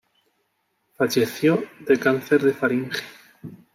Falleció de cáncer de faringe.